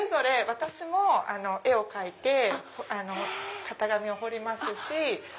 私も絵を描いて型紙を彫りますし。